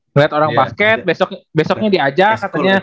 ngelihat orang basket besoknya diajak katanya